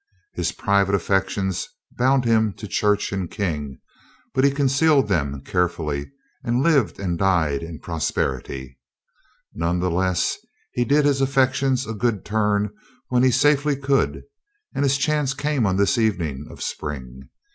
His private affections bound him to church and King, but he concealed them carefully and lived and died in prosperity. None the less, he did his affections a good turn when he safely could and his chance came on this evening of spring.